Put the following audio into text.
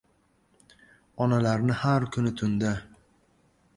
Onalarni har kuni tunda